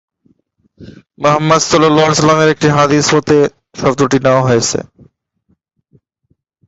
মুহাম্মদ-এর একটি হাদিস হতে শব্দটি নেওয়া হয়েছে।